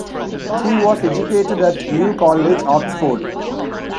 He was educated at New College, Oxford.